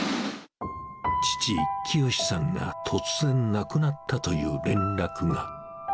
父、清さんが突然亡くなったという連絡が。